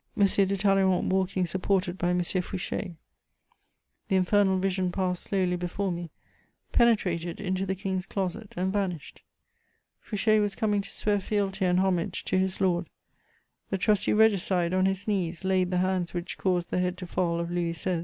de Talleyrand walking supported by M. Fouché; the infernal vision passed slowly before me, penetrated into the King's closet, and vanished. Fouché was coming to swear fealty and homage to his lord; the trusty regicide on his knees laid the hands which caused the head to fall of Louis XVI.